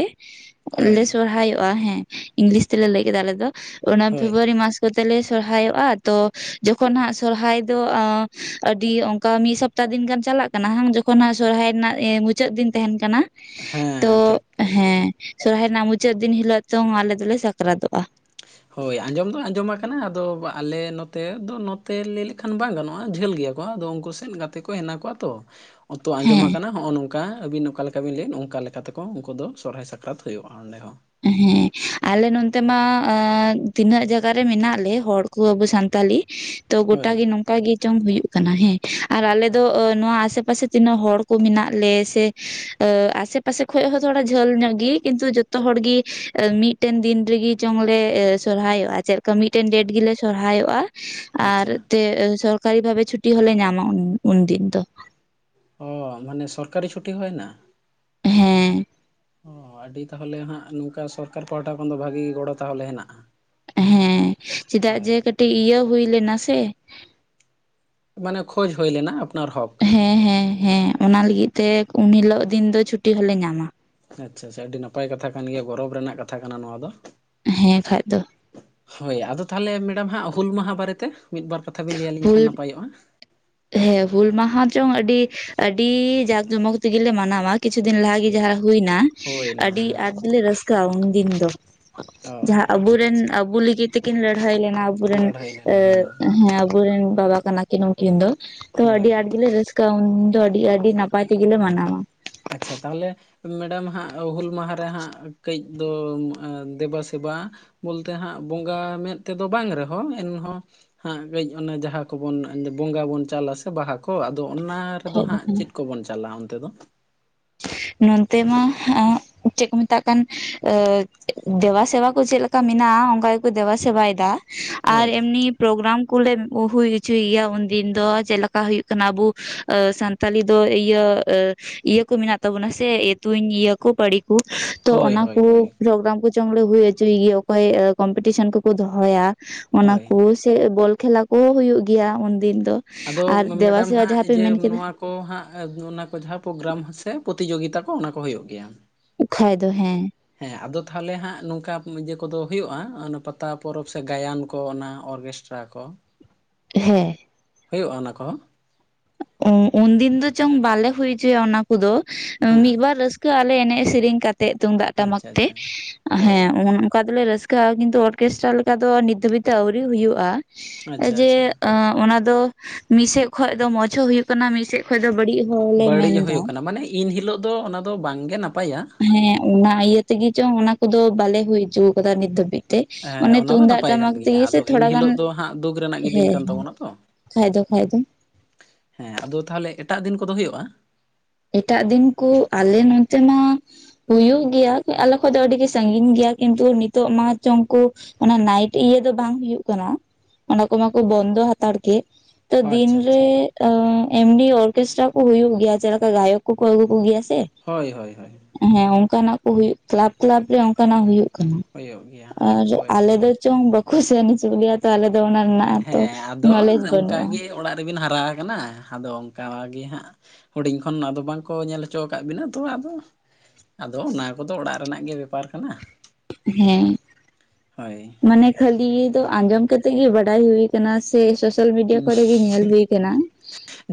ᱩᱱ ᱦᱳᱭ ᱞᱮ ᱥᱚᱨᱦᱟᱭᱚᱜ-ᱟ ᱦᱮᱸ ᱤᱝᱞᱤᱥ ᱛᱮᱞᱮ ᱞᱟᱹᱭ ᱠᱮᱫᱟ ᱟᱞᱮᱫᱚ ᱚᱱᱟ ᱦᱳᱭ ᱯᱷᱮᱵᱽᱨᱩᱣᱟᱨᱤ ᱢᱟᱥ ᱠᱚᱛᱮᱞᱮ ᱥᱚᱨᱦᱟᱭᱚᱜ-ᱟ ᱛᱚ ᱡᱚᱠᱷᱚᱱ ᱦᱟᱸᱜ ᱥᱚᱨᱦᱟᱭ ᱫᱚ ᱟᱹᱰᱤ ᱚᱝ ᱠᱟ ᱢᱤᱫ ᱥᱚᱯᱛᱟᱦ ᱫᱤᱱ ᱜᱟᱱ ᱪᱟᱞᱟᱜ ᱠᱟᱱᱟ ᱦᱟᱝ ᱡᱚᱠᱷᱚᱱ ᱦᱟᱜ ᱥᱚᱨᱦᱟᱭ ᱨᱮᱱᱟᱜ ᱢᱩᱪᱟᱹᱫ ᱫᱤᱱ ᱛᱟᱦᱮᱱ ᱠᱟᱱᱟ ᱛᱚ ᱦᱮᱸ ᱴᱷᱤᱠ ᱦᱮ ᱥᱚᱨᱦᱟᱭ ᱨᱮᱱᱟᱜ ᱢᱩᱪᱟᱹᱫ ᱫᱤᱱ ᱦᱤᱞᱳᱜ ᱛᱚ ᱟᱞᱮ ᱥᱟᱠᱨᱟᱛᱚᱜ-ᱟ᱾ [unintelligible] ᱦᱳᱭ ᱟᱸᱡᱚᱢ ᱫᱚ ᱟᱸᱡᱚᱢᱟ ᱟᱠᱟᱱᱟ ᱟᱫᱚ ᱟᱞᱮ ᱱᱚᱛᱮ ᱫᱚ ᱱᱚᱛᱮ ᱞᱟᱹᱭ ᱞᱮᱠᱷᱟᱱ ᱵᱟᱝ ᱜᱟᱱᱚᱜ-ᱟ ᱡᱷᱟᱹᱞ ᱜᱮᱭᱟ ᱠᱚᱜᱟ ᱟᱫᱚ ᱩᱱᱠᱩ ᱥᱮᱫ ᱜᱟᱛᱮ ᱠᱚ ᱮᱱᱟᱜ ᱠᱚᱣᱟ ᱛᱚ᱾ ᱚᱛᱚ ᱟᱸᱡᱚᱢ ᱦᱮᱸ ᱟᱠᱟᱱᱟ ᱦᱚᱜᱚ ᱱᱚᱝ ᱠᱟ ᱟᱹᱵᱤᱱ ᱚᱠᱟ ᱞᱮᱠᱟ ᱵᱤᱱ ᱞᱟᱹᱭᱮᱫ ᱚᱱᱠᱟ ᱞᱮᱠᱟ ᱞᱮᱠᱟᱛᱮᱠᱚ ᱩᱱᱠᱩ ᱫᱚ ᱥᱚᱨᱦᱟᱭ ᱥᱟᱠᱨᱟᱛ ᱦᱩᱭᱩᱜ-ᱟ ᱚᱸᱰᱮ ᱦᱚᱸ ᱦᱮᱸ ᱟᱞᱮ ᱱᱛᱮ ᱢᱟ ᱛᱤᱱᱟᱹᱜ ᱟᱜ ᱛᱤᱱᱟᱜ ᱡᱟᱜᱟ ᱨᱮ ᱢᱮᱱᱟᱜ ᱞᱮ ᱦᱚᱲ ᱠᱚ ᱟᱵ ᱥᱟᱱᱛᱟᱞᱤ ᱛᱚ ᱜᱚᱴᱟ ᱦᱳᱭ ᱜᱮ ᱱᱚᱝᱠᱟ ᱜᱮ ᱪᱚᱝ ᱦᱩᱭᱩᱜ ᱠᱟᱱᱟ ᱦᱮᱸ ᱟᱨ ᱟᱞᱮ ᱚ ᱫᱚ ᱱᱚᱣᱟ ᱟᱥᱮ ᱯᱟᱥᱮ ᱛᱤᱱᱟᱹᱜ ᱦᱚᱲ ᱠᱚ ᱢᱮᱱᱟᱜ ᱞᱮ ᱥᱮ ᱟᱥᱮᱯᱟᱥᱮ ᱠᱷ ᱦᱚᱸ ᱛᱷᱚᱲᱟ ᱡᱷᱟᱹᱞ ᱧᱚᱜ ᱜᱮ ᱠᱤᱱᱛᱩ ᱡᱚᱛᱚ ᱦᱚᱲ ᱜᱤ ᱢᱤᱫᱴᱮᱱ ᱫᱤᱱ ᱨᱮᱜᱤ ᱪᱚᱝᱞᱮ ᱥᱚᱨᱦᱟᱭᱚᱜ-ᱟ ᱪᱮᱫᱞᱠᱟ ᱢᱤᱫᱴᱮᱱ ᱰᱮᱴ ᱜᱮᱞᱮ ᱥᱚᱨᱦᱟᱭᱚᱜ-ᱟ᱾ ᱟᱨ ᱟᱪᱪᱷᱟ ᱛᱮ ᱥᱚᱨᱠᱟᱨᱤ ᱵᱷᱟᱵᱮ ᱪᱷᱩᱴᱤ ᱦᱚᱞᱮ ᱧᱟᱢᱟ ᱩᱱᱫᱤᱱ ᱫᱚ᱾ ᱚ ᱢᱟᱱᱮ ᱥᱚᱨᱠᱟᱨᱤ ᱪᱷᱩᱴᱤ ᱦᱚ ᱦᱮᱱᱟᱜ? ᱦᱮᱸ ᱚ ᱟᱹᱰᱤ ᱛᱟᱦᱞᱮ ᱦᱟᱜ ᱱᱚᱝᱠᱟ ᱥᱚᱨᱠᱟᱨ ᱯᱟᱦᱴᱟ ᱠᱷᱚᱱ ᱫᱚ ᱵᱷᱟᱜᱤ ᱛᱟᱦᱚᱞᱮ ᱦᱮᱱᱟᱜ-ᱟ ᱦᱮᱸ ᱪᱮᱫᱟᱜ ᱡᱮ ᱠᱟᱹᱴᱤᱡ ᱤᱭᱟᱹ ᱦᱩᱭ ᱞᱮᱱᱟ ᱥᱮ ᱢᱟᱱᱮ ᱠᱷᱳᱚᱡ ᱦᱚᱭ ᱞᱮᱱᱟ ᱟᱯᱱᱟᱟᱨ ᱦᱚᱠ ᱦᱮᱸ ᱦᱮᱸ ᱦᱮᱸ ᱚᱱᱟ ᱞᱟᱹᱜᱤᱫ ᱛᱮ ᱩᱱ ᱦᱤᱞᱚᱜ ᱫᱤᱱ ᱫᱚ ᱪᱷᱩᱴᱤ ᱦᱚᱞᱮ ᱧᱟᱢᱟ᱾ ᱟᱪᱪᱷᱟ ᱪᱷᱟ ᱟᱹᱰᱤ ᱱᱟᱯᱟᱭ ᱠᱟᱛᱷᱟ ᱠᱟᱱ ᱜᱮᱭᱟ ᱜᱚᱨᱚᱵᱽ ᱨᱮᱱᱟᱜ ᱠᱟᱛᱷᱟ ᱠᱟᱱᱟ ᱱᱚᱣᱟ ᱫᱚ᱾ ᱦᱮᱸ ᱠᱷᱟᱡ ᱫᱚ ᱦᱳᱭ ᱟᱫᱚ ᱛᱟᱦᱚᱞᱮ ᱢᱮᱰᱟᱢ ᱦᱟᱸᱜ ᱦᱩᱞ ᱢᱟᱦᱟ ᱵᱟᱨᱮᱛᱮ ᱢᱤᱫ ᱵᱟᱨ ᱠᱟᱛᱷᱟ ᱵᱮᱤᱱ ᱞᱟᱹᱭ ᱟᱹᱞᱤᱧ ᱦᱩᱞ ᱠᱷᱟᱱ ᱱᱟᱯᱟᱭᱚᱜ-ᱟ? ᱦᱩᱞ ᱢᱟᱦᱟ ᱪᱚᱝ ᱟᱹᱰᱤ ᱡᱟᱠ ᱡᱚᱢᱚᱠ ᱛᱮᱜᱮᱞᱮ ᱢᱟᱱᱟᱣᱟ ᱠᱤᱪᱷᱩ ᱫᱤᱱ ᱞᱟᱦᱟᱮ ᱴᱷᱤᱠ ᱡᱟᱦᱟᱸ ᱴᱷᱤᱠ ᱦᱩᱭᱱᱟ ᱦᱳᱭᱱᱟ ᱟᱹᱰᱤ ᱦᱮᱸ ᱟᱸᱴ ᱜᱮᱞᱮ ᱨᱟᱹᱥᱠᱟᱹᱜ-ᱟ ᱩᱱᱫᱤᱱ ᱫᱚ ᱚ ᱡᱟᱦᱟᱸ ᱟᱵᱚᱨᱮᱱ ᱟᱪᱪᱷᱟ ᱟᱵᱚ ᱞᱟᱹᱜᱤᱫ ᱛᱮᱠᱤᱱ ᱞᱟᱹᱲᱦᱟᱹᱭ ᱞᱮᱱᱟ ᱟᱵᱚᱨᱮᱱ ᱞᱟᱹᱲᱦᱟᱹᱭ ᱞᱮᱱᱟ ᱮᱟ ᱦᱮᱸ ᱟᱵᱚᱨᱮᱱ ᱵᱟᱵᱟ ᱠᱟᱱᱟ ᱠᱤᱱ ᱩᱠᱤᱱ ᱫᱚ ᱛᱚ ᱟᱹᱰᱤ ᱦᱳᱭ ᱟᱴᱞᱮ ᱨᱟᱹᱥ ᱠᱟᱹ ᱩᱱ ᱫᱚ ᱟᱹᱰᱤ ᱟᱹᱰᱤ ᱱᱟᱯᱟᱭ ᱛᱮᱜᱮᱞᱮ ᱢᱟᱱᱟᱣᱟ ᱟᱪᱪᱷᱟ ᱛᱟᱦᱚᱞᱮ ᱢᱮᱰᱟᱢ ᱦᱟᱸᱜ ᱦᱩᱞ ᱢᱟᱦᱟᱨᱮ ᱦᱟᱸᱜ ᱠᱟᱹᱡ ᱫᱚ ᱫᱮᱵᱟ ᱥᱮᱵᱟ ᱵᱚᱞᱛᱮ ᱦᱟᱸᱜ ᱵᱚᱸᱜᱟ ᱢᱮᱸᱫ ᱛᱮᱫᱚ ᱵᱟᱝ ᱨᱮᱦᱚᱸ ᱮᱱᱦᱚᱸ ᱦᱟᱸᱜ ᱠᱟᱹᱡ ᱚᱱᱮ ᱡᱟᱦᱟᱸ ᱠᱚᱵᱚᱱ ᱵᱚᱸᱜᱟ ᱵᱚᱱ ᱪᱟᱞᱟᱥᱮ ᱵᱟᱦᱟ ᱠᱚ ᱟᱫᱚ ᱚᱱᱟᱨ ᱨᱮᱫᱚ ᱠᱷᱟᱡ ᱦᱟᱸᱜ ᱫᱚ ᱪᱮᱫ ᱠᱚᱵᱚᱱ ᱪᱟᱞᱟ ᱚᱱᱛᱮ ᱫᱚ? ᱱᱚᱱᱛᱮ ᱢᱟ ᱟᱸᱼᱼ ᱪᱮᱜ ᱠᱚ ᱢᱮᱛᱟᱜ ᱠᱟᱱ, ᱫᱮᱵᱟ ᱥᱮᱵᱟ ᱠᱚ ᱪᱮᱫ ᱞᱮᱠᱟ ᱢᱮᱱᱟᱜᱼᱟ, ᱚᱱᱠᱟ ᱜᱮᱠᱚ ᱫᱮᱵᱟ ᱥᱮᱵᱟᱭᱮᱫᱟ ᱾ ᱟᱨ ᱦᱳᱭ ᱮᱢᱱᱤᱼᱼ ᱯᱨᱳᱜᱽᱨᱟᱢ ᱠᱚᱞᱮ ᱦᱩᱭ ᱚᱪᱚᱭ ᱜᱮᱭᱟ ᱾ ᱩᱱᱫᱤᱱ ᱫᱚ ᱡᱮᱞᱮᱠᱟ ᱦᱩᱭᱩᱜ ᱠᱟᱱᱟ ᱟᱵᱚᱼᱼ ᱛᱟᱞᱤ ᱫᱚ ᱤᱭᱟᱹ ᱤᱭᱟᱹᱼᱼ ᱢᱮᱱᱟᱜ ᱛᱟᱵᱚᱱᱟ ᱥᱮ ᱛᱩᱧ ᱤᱭᱟᱹ ᱠᱚ ᱯᱟᱹᱲᱤ ᱠᱚ, ᱛᱚ ᱦᱳᱭ ᱚᱱᱟ ᱦᱳᱭ ᱦᱳᱭ ᱠᱚ ᱯᱨᱳᱜᱸᱨᱟᱢ ᱠᱚᱼᱼ ᱪᱚᱝ ᱞᱮ ᱦᱩᱭ ᱦᱚᱭ ᱚᱪᱚᱭ ᱜᱮᱭᱟ ᱾ ᱚᱠᱚᱭ ᱠᱚᱢᱯᱤᱴᱤᱥᱚᱱ ᱠᱚᱠᱚ ᱫᱚᱦᱚᱭᱟ ᱚᱱᱟ ᱦᱳᱭ ᱠᱩᱼᱼ ᱥᱮ ᱵᱚᱞ ᱠᱷᱮᱞᱟ ᱠᱚᱦᱚᱸ ᱦᱩᱭᱩᱜ ᱜᱮᱭᱟ ᱩᱱᱫᱤᱱ ᱫᱚ ᱾ ᱟᱫᱚ ᱢᱮᱰᱟᱢ ᱦᱟᱸᱜ ᱤᱭᱟᱹ ᱱᱚᱣᱟᱼᱼ ᱠᱚ ᱦᱟᱸᱜ ᱚᱱᱟ ᱠᱚ ᱡᱟᱦᱟᱸ ᱯᱨᱳᱜᱽᱨᱟᱢ ᱥᱮ ᱯᱚᱛᱤᱡᱳᱜᱤᱛᱟ ᱠᱚ ᱚᱱᱟ ᱠᱚ ᱦᱩᱭᱩᱜ ᱜᱮᱭᱟ ᱾ ᱚᱠᱷᱟᱭ ᱫᱚ ᱦᱮᱸᱼᱼ ᱦᱮᱸ ᱟᱫᱚ ᱛᱟᱦᱚᱞᱮ ᱦᱟᱸᱜ ᱱᱚᱝᱠᱟ ᱤᱭᱟᱹ ᱠᱚᱫᱚ ᱦᱩᱭᱩᱜᱼᱟ ᱾ ᱯᱟᱛᱟ ᱯᱚᱨᱚᱵᱽ ᱥᱮ ᱜᱟᱭᱟᱱ ᱠᱚ ᱚᱱᱟ ᱚᱨᱜᱮᱥᱴᱼᱼ ᱴᱨᱟ ᱠᱚᱼᱼ ᱦᱮᱸᱼᱼ ᱦᱩᱭᱩᱜᱼᱟ ᱚᱱᱟ ᱠᱚᱦᱚᱸ? ᱚ ᱩᱱᱫᱤᱱ ᱫᱚ ᱪᱚᱝ ᱵᱟᱞᱮ ᱦᱩᱭᱪᱚᱭᱟ ᱚᱱᱟ ᱠᱚᱫᱚ, ᱦᱮᱸ ᱢᱤᱫᱵᱟᱨ ᱨᱟᱹᱥᱠᱟᱹᱼᱼ ᱨᱟᱹᱥᱠᱟᱹ ᱟᱞᱮ ᱮᱱᱮᱡᱽ ᱥᱮᱨᱮᱧ ᱠᱟᱛᱮᱜ ᱛᱩᱢᱫᱟᱜ ᱴᱟᱢᱟᱠ ᱟᱪᱪᱷᱟ ᱛᱮ, ᱟᱪᱪᱷᱟ ᱦᱳᱭ ᱦᱮᱸ ᱚᱱᱠᱟ ᱫᱚᱞᱮ ᱨᱟᱹᱥᱠᱟᱹᱼᱼ ᱠᱟ ᱠᱤᱱᱛᱩ ᱚᱨᱠᱮᱥᱴᱨᱟ ᱞᱮᱠᱟ ᱫᱚ ᱱᱤᱛ ᱫᱷᱟᱹᱵᱤᱡ ᱛᱮ ᱟᱹᱣᱨᱤ ᱦᱩᱭᱩᱜᱼᱟ ᱟᱪᱪᱷᱟ ᱾ ᱡᱮ ᱟᱪᱪᱷᱟ ᱚᱱᱟ ᱫᱚ ᱢᱤᱫ ᱥᱮᱫ ᱠᱷᱚᱡ ᱫᱚ ᱢᱚᱡᱽᱼᱼ ᱪᱷᱚ ᱦᱳᱭᱳᱜ ᱠᱟᱱᱟ ᱾ ᱢᱤᱫᱥᱮᱫ ᱠᱷᱚᱡ ᱫᱚ ᱵᱟᱹᱲᱤᱡᱽ ᱦᱚᱞᱮ ᱢᱮᱱ ᱵᱟᱹᱲᱤᱡ ᱮᱫᱟ ᱦᱩᱭᱩᱜ ᱾ ᱠᱟᱱᱟ ᱢᱟᱱᱮ ᱤᱱ ᱦᱤᱞᱳᱜ ᱫᱚ ᱚᱱᱟ ᱫᱚ ᱵᱟᱝᱜᱮ ᱱᱟᱯᱟᱭᱟ ᱾ ᱦᱮᱸ ᱚᱱᱟ ᱤᱭᱟᱹ ᱛᱮᱜᱮ ᱪᱚ ᱚᱱᱟ ᱠᱚᱫᱚ ᱵᱟᱞᱮ ᱦᱩᱭ ᱚᱪᱚ ᱟᱠᱟᱫᱟ ᱱᱤᱛ ᱫᱷᱟᱹᱵᱤᱡᱽ ᱾ ᱛᱮ ᱦᱮᱸ ᱚᱱᱮ ᱚᱱᱟ ᱫᱚ ᱛᱩᱢᱫᱟᱜ ᱱᱟᱯᱟᱭ ᱠᱟᱱ ᱴᱟᱢᱟᱠ ᱜᱮᱭᱟ ᱛᱮᱜᱮ ᱥᱮ ᱟᱫᱚ ᱤᱱ ᱛᱷᱚᱲᱟ ᱜᱟᱱ ᱦᱤᱞᱳᱜ ᱫᱚ ᱦᱟᱸᱜ ᱫᱩᱠ ᱨᱮᱱᱟᱜ ᱜᱮ ᱫᱤᱱ ᱦᱮᱸ ᱠᱟᱱ ᱮᱱᱟᱼᱼ ᱛᱟᱵᱚᱱᱟ ᱛᱚ ᱠᱷᱟᱡ ᱫᱚ ᱠᱷᱟᱡ ᱫᱚ ᱾ ᱦᱮᱸ ᱟᱫᱚ ᱛᱟᱦᱚᱞᱮ ᱮᱴᱟᱜ ᱫᱤᱱ ᱠᱚᱫᱚ ᱦᱩᱭᱩᱜᱼᱟ? ᱮᱴᱟᱜ ᱫᱤᱱ ᱠᱚ ᱟᱞᱮ ᱱᱚᱱᱛᱮ ᱢᱟᱼᱼ ᱦᱩᱭᱩᱜ ᱜᱮᱭᱟ ᱟᱞᱮ ᱠᱷᱚᱡ ᱫᱚ ᱟᱹᱰᱤᱜᱮ ᱥᱟᱺᱜᱤᱧ ᱜᱮᱭᱟ ᱠᱤᱱᱛᱩ ᱾ ᱱᱤᱛᱚᱜ ᱢᱟ ᱪᱚᱝᱠᱩᱼᱼ ᱚᱱᱟ ᱱᱟᱭᱤᱴ ᱤᱭᱟᱹ ᱫᱚ ᱵᱟᱝ ᱦᱩᱭᱩᱜ ᱠᱟᱱᱟ ᱾ ᱚᱱᱟ ᱠᱚᱢᱟᱠᱚ ᱵᱚᱱᱫᱚ ᱦᱟᱛᱟᱲ ᱠᱮᱜᱼᱼ ᱛᱚ ᱫᱤᱱ ᱟᱪᱪᱷᱟ ᱨᱮ ᱟᱪᱪᱷᱟ ᱮᱢᱱᱤ ᱚᱨᱠᱮᱥᱴᱨᱟ ᱠᱚ ᱦᱩᱭᱩᱜ ᱜᱮᱭᱟ ᱾ᱪᱮᱜᱼᱼ ᱜᱟᱭᱚᱠ ᱠᱚᱠᱚ ᱟᱹᱜᱩ ᱠᱚᱜᱮᱭᱟ ᱥᱮ ᱾ ᱦᱳᱭ ᱦᱳᱭ ᱦᱳᱭᱼᱼ ᱦᱮᱸ ᱚᱱᱠᱟᱱᱟᱜ ᱠᱚ ᱦᱩᱭᱩᱜ ᱠᱞᱟᱵ ᱠᱞᱟᱵ ᱨᱮ ᱚᱱᱠᱟᱱᱟᱜ ᱦᱩᱭᱩᱜ ᱠᱟᱱᱟ ᱦᱩᱭᱩᱜ ᱜᱮᱭᱟ ᱾ ᱦᱮᱸ ᱟᱨ ᱦᱳᱭ ᱟᱞᱮ ᱴᱷᱤᱠ ᱫᱚᱼᱼ ᱪᱚᱝ ᱵᱟᱠᱚ ᱥᱮᱱ ᱦᱚᱪᱚ ᱜᱮᱭᱟ ᱛᱚ, ᱟᱞᱮ ᱫᱚ ᱚᱱᱟ ᱨᱮᱱᱟᱜ ᱛᱚ ᱦᱮᱸ ᱟᱫᱚ ᱱᱚᱞᱮᱡ ᱵᱟᱹᱱᱩᱜᱼᱟ ᱾ ᱚᱱᱠᱟᱜᱮ ᱚᱲᱟᱜ ᱨᱮᱵᱤᱱ ᱦᱟᱨᱟ ᱠᱟᱱᱟ ᱾ᱟᱫᱚ ᱚᱱᱠᱟ ᱜᱮ ᱦᱟᱸᱜᱼᱼ ᱦᱩᱰᱤᱧ ᱠᱷᱚᱱ ᱟᱫᱚ ᱵᱟᱝᱠᱚ ᱧᱮᱞ ᱦᱚᱪᱚ ᱟᱠᱟᱫ ᱵᱤᱱᱟ ᱾ᱛᱚ ᱟᱫᱚᱼᱼ ᱟᱫᱚ ᱚᱱᱟ ᱠᱚᱫᱚ ᱚᱲᱟᱜ ᱨᱮᱱᱟᱜ ᱜᱮ ᱵᱮᱯᱟᱨ ᱠᱟᱱᱟ ᱾ ᱦᱮᱸ ᱢᱟᱱᱮ ᱠᱷᱟᱹᱞᱤ ᱫᱚ ᱟᱸᱡᱚᱢ ᱠᱟᱛᱮᱜ ᱜᱮ ᱵᱟᱰᱟᱭ ᱦᱩᱭᱼᱼ ᱥᱮ ᱥᱳᱥᱟᱞ ᱢᱤᱰᱤᱭᱟ ᱠᱚᱨᱮ ᱜᱮ ᱧᱮᱞ ᱦᱩᱭ ᱠᱟᱱᱟ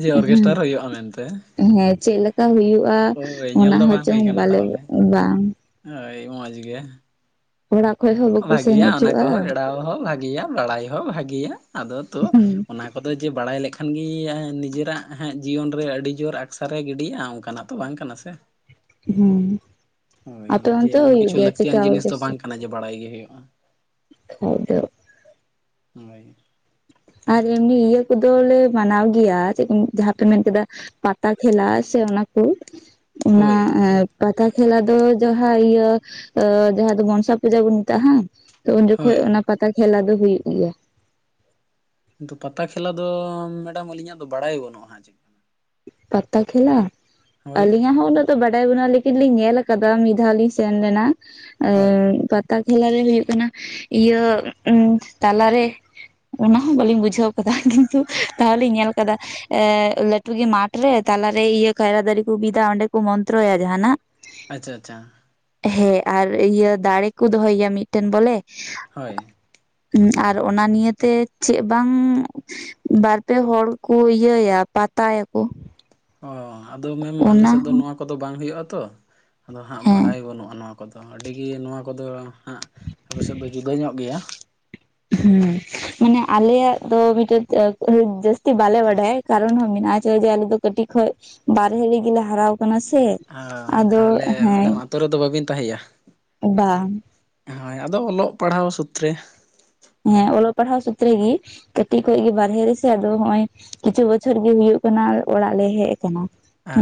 ᱡᱮ ᱚᱨᱜᱮᱥᱴᱟᱨ ᱦᱩᱭᱩᱜᱼᱟ ᱢᱮᱱᱛᱮ ᱦᱮᱸᱼᱼ ᱦᱮᱸ ᱪᱮᱫ ᱞᱮᱠᱟ ᱦᱩᱭᱩᱜᱼᱟ, ᱦᱳᱭ ᱧᱮᱞ ᱚᱱᱟ ᱫᱚ ᱦᱚ ᱵᱟᱝ ᱦᱩᱭ ᱪᱚᱝ ᱠᱟᱱᱟ ᱵᱟᱞᱮ ᱛᱟᱦᱚᱞᱮ ᱵᱟᱝᱼᱼ ᱦᱳᱭ ᱢᱚᱡᱽ ᱜᱮ ᱾ ᱚᱲᱟᱜ ᱠᱷᱚᱡ ᱦᱚᱸᱼᱼ ᱵᱷᱟᱜᱤᱭᱟ, ᱚᱱᱟ ᱠᱚᱦᱚᱸ ᱮᱲᱟᱣ ᱦᱚᱸ ᱵᱷᱟᱜᱤᱭᱟ ᱾ᱵᱟᱲᱟᱭ ᱦᱚᱸ ᱵᱷᱟᱜᱤᱭᱟ ᱾ ᱟᱫᱚ ᱛᱚ ᱚᱱᱟ ᱠᱚᱼᱼ ᱟᱫᱚ ᱡᱮ ᱵᱟᱲᱟᱭ ᱞᱮᱠᱷᱟᱱ ᱜᱮ ᱤᱭᱮ ᱟᱫᱚ ᱡᱮ, ᱱᱤᱡᱮᱨᱟᱜ ᱦᱟᱜ ᱡᱤᱭᱚᱱ ᱨᱮ ᱟᱹᱰᱤ ᱡᱳᱨ ᱟᱠᱥᱟᱨᱮ ᱜᱤᱰᱤᱭᱼᱟ, ᱚᱱᱠᱟᱱᱟᱜ ᱛᱚ ᱵᱟᱝ ᱠᱟᱱᱟ ᱥᱮ᱾ [inaudible] ᱼᱼ ᱦᱩ, ᱸ ᱟᱯᱮ ᱚᱱᱛᱮ ᱦᱚ ᱮᱢᱚᱱ ᱦᱩᱭᱩᱜ ᱠᱤᱪᱷᱩ ᱜᱮᱭᱟ ᱪᱤᱠᱟ ᱞᱟᱹᱠᱛᱤᱭᱟᱱ ᱡᱤᱱᱤᱥ ᱫᱚ ᱚᱨᱠᱮᱥᱴᱟᱨ? ᱵᱟᱝ ᱠᱟᱱᱟ ᱡᱮ ᱵᱟᱲᱟᱭ ᱜᱮ ᱦᱩᱭᱩᱜᱼᱟ ᱾ ᱠᱷᱟᱡ ᱫᱚ [unintelligible] ᱦᱳᱭ ᱾ ᱟᱨ ᱮᱢᱱᱤ ᱤᱭᱟᱹ ᱠᱚᱫᱚ ᱞᱮ ᱢᱟᱱᱟᱣ ᱜᱮᱭᱟ ᱪᱮᱫ ᱯᱮ [unintelligible] ᱡᱟᱦᱟᱸ ᱯᱮ ᱢᱮᱱ ᱠᱮᱫᱟ ᱯᱟᱛᱟ ᱠᱷᱮᱞᱟ ᱥᱮ ᱚᱱᱟ ᱠᱚ ᱚᱱᱟ ᱦᱳᱭ ᱮᱸ ᱯᱟᱛᱟ ᱠᱷᱮᱞᱟ ᱫᱚ ᱡᱟᱦᱟᱸ ᱤᱭᱟᱹ ᱡᱟᱦᱟᱸ ᱫᱚ ᱢᱚᱱᱥᱟ ᱯᱩᱡᱟ ᱵᱚᱱ ᱢᱮᱛᱟᱜᱼᱟ ᱦᱟᱝ? ᱛᱚ ᱩᱱ ᱡᱚᱠᱷᱚᱡ ᱦᱳᱭ ᱚᱱᱟ ᱯᱟᱛᱟ ᱠᱷᱮᱞᱟ ᱫᱚ ᱦᱩᱭᱩᱜ ᱜᱮᱭᱟ ᱾ ᱠᱤᱱᱛᱩ ᱯᱟᱛᱟ ᱠᱷᱮᱞᱟ ᱫᱚ ᱢᱮᱰᱟᱢ ᱟᱹᱞᱤᱧᱟᱜ ᱫᱚ ᱵᱟᱲᱟᱭ ᱵᱟᱹᱱᱩᱜᱼᱟ ᱦᱟᱸᱜ ᱪᱮᱜ ᱾ ᱯᱟᱛᱟ ᱠᱷᱞᱟ, ᱦᱳᱭ ᱟᱹᱞᱤᱧᱟᱜ ᱦᱚᱸ ᱩᱱᱟᱹᱜ ᱫᱚ ᱵᱟᱰᱟᱭ ᱵᱚᱱᱩᱜᱼᱟ ᱞᱮᱠᱤᱱ ᱞᱤᱧ ᱧᱮᱞ ᱟᱠᱟᱫᱟ ᱢᱤᱫ ᱫᱷᱟᱣ ᱞᱤᱧ ᱥᱮᱱ ᱞᱮᱱᱟ ᱦᱳᱭ ᱮᱸᱜ ᱯᱟᱛᱟ ᱠᱷᱮᱞᱟ ᱨᱮ ᱦᱩᱭᱩᱜ ᱠᱟᱱᱟ ᱤᱭᱟᱹ ᱩᱸ ᱛᱟᱞᱟᱨᱮ ᱚᱱᱟ ᱦᱚᱸ ᱵᱟᱹᱞᱤᱧ ᱵᱩᱡᱷᱟᱹᱣ ᱟᱠᱟᱫᱟ ᱠᱤᱱᱛᱩ ᱛᱟᱣ ᱧᱮᱞ ᱟᱠᱟᱫᱟ ᱮᱸᱜ ᱞᱟᱹ ᱞᱟᱹᱴᱩ ᱜᱮ ᱢᱟᱴᱷ ᱨᱮ ᱛᱟᱞᱟᱨᱮ ᱤᱭᱟᱹ ᱠᱟᱭᱨᱟ ᱫᱟᱨᱮ ᱠᱚ ᱵᱤᱫᱟ ᱚᱸᱰᱮ ᱠᱚ ᱢᱚᱱᱛᱨᱚᱭᱟ ᱡᱟᱦᱟᱸᱱᱟᱜ ᱾ ᱟᱪᱪᱷᱟ ᱟᱪᱪᱷᱟ ᱾ ᱦᱮᱸ ᱟᱨ ᱤᱭᱟᱹ ᱫᱟᱲᱮ ᱠᱚ ᱫᱚᱦᱚᱭᱮᱭᱟ ᱢᱤᱫᱴᱮᱱ ᱵᱚᱞᱮ ᱾ ᱦᱳᱭ ᱾ ᱩᱸ ᱟᱨ ᱚᱱᱟ ᱱᱤᱭ ᱛᱮ ᱪᱮᱫ ᱵᱟᱝ ᱵᱟᱨ ᱯᱮ ᱦᱚᱲ ᱠᱚ ᱤᱭᱟᱹᱭᱟ ᱯᱟᱛᱟᱭᱟᱠᱚ ᱾ ᱚ, ᱟᱫᱚ ᱢᱮᱢ ᱟᱞᱮ ᱥᱮᱫ ᱫᱚ ᱱᱚᱣᱟ ᱠᱚᱫᱚ ᱵᱟᱝ ᱦᱩᱭᱩᱜᱼᱟ ᱛᱚ ᱟᱫᱚ ᱦᱟᱸᱜ ᱦᱮᱸ ᱵᱟᱲᱟᱭ ᱵᱟᱹᱱᱩᱜᱼᱟ ᱱᱚᱣᱟ ᱠᱚᱫᱚ ᱟᱹᱰᱤ ᱜᱮ ᱱᱚᱣᱟ ᱠᱚᱫᱚ ᱦᱟᱸᱜ ᱟᱯᱮ ᱥᱮᱫ ᱫᱚ ᱡᱩᱫᱟᱹ ᱧᱚᱜ ᱜᱮᱭᱟ ᱾ ᱦᱮᱸ ᱢᱟᱱᱮ ᱟᱞᱮᱭᱟᱜ ᱫᱚ ᱢᱤᱫᱴᱮᱡ [unintelligible] ᱡᱟᱹᱥᱛᱤ ᱵᱟᱞᱮ ᱵᱟᱰᱟᱭ ᱠᱟᱨᱚᱱ ᱦᱚᱸ ᱢᱮᱱᱟᱜᱼᱟ ᱪᱮᱫᱟᱜ ᱡᱮ ᱟᱞᱮ ᱫᱚ ᱠᱟᱹᱴᱤᱡ ᱠᱷᱚᱡ ᱵᱟᱨᱦᱮ ᱨᱮᱜᱮ ᱞᱮ ᱦᱟᱨᱟᱣ ᱠᱟᱱᱟ ᱥᱮ, ᱟᱫᱚ ᱦᱮᱸ ᱾ ᱟᱛᱚ ᱨᱮᱫᱚ ᱵᱟᱹᱵᱤᱱ ᱛᱟᱦᱮᱸᱭᱟ? ᱵᱟᱝ ᱾ ᱦᱳᱭ ᱟᱫᱚ ᱚᱞᱚᱜ ᱯᱟᱲᱦᱟᱣ ᱥᱩᱛᱛᱨᱮ ᱾ ᱦᱮᱸ ᱚᱞᱚᱜ ᱯᱟᱲᱦᱟᱣ ᱥᱩᱛᱛᱨᱮ ᱜᱮ ᱠᱟᱹᱴᱤᱡ ᱠᱷᱚᱡ ᱜᱮ ᱵᱟᱨᱦᱮ ᱨᱮᱥᱮ ᱟᱫᱚ ᱦᱚᱸᱜ-ᱚᱭ ᱠᱤᱪᱷᱩ ᱵᱚᱪᱷᱚᱨ ᱜᱮ ᱦᱩᱭᱩᱜ ᱠᱟᱱᱟ ᱚᱲᱟᱜ ᱞᱮ ᱦᱮᱡ ᱟᱠᱟᱱᱟ ᱾